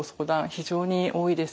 非常に多いです。